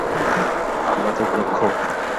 আমরা তো উপলক্ষ।